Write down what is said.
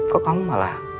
kok kamu malah